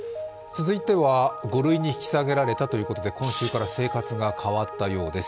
続いては、５類に引き下げられたということで今週から生活が変わったようです。